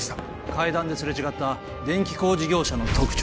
・階段ですれ違った電気工事業者の特徴は？